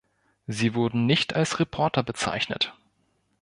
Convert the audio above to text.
Sie wurden nicht als Reporter bezeichnet.